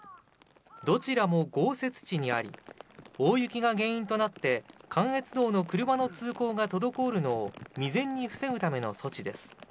どちらも豪雪地にあり大雪が原因となって関越道の車の通行が滞るのを未然に防ぐための措置です。